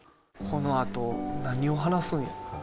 このあと何を話すんやろうな。